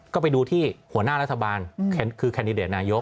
ก็ไปดูที่หัวหน้ารัฐบาลคือแคนดิเดตนายก